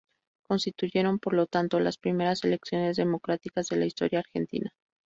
Constituyeron, por lo tanto, las primeras elecciones democráticas de la historia argentina.